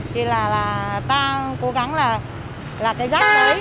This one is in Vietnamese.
thì là ta cố gắng là cái rác đấy